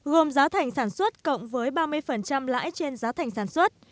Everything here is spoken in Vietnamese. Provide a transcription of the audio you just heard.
gồm giá thành sản xuất cộng với ba mươi lãi trên giá thành sản xuất